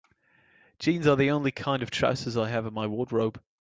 Jeans are the only kind of trousers I have in my wardrobe.